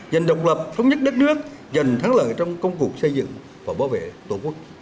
giành độc lập thống nhất đất nước giành thắng lợi trong công cuộc xây dựng và bảo vệ tổ quốc